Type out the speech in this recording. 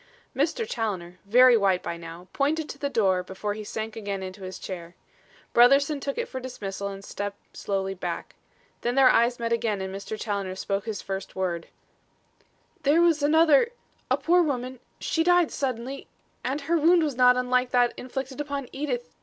Mr. Challoner, very white by now, pointed to the door before he sank again into his chair. Brotherson took it for dismissal and stepped slowly back. Then their eyes met again and Mr. Challoner spoke his first word: "There was another a poor woman she died suddenly and her wound was not unlike that inflicted upon Edith.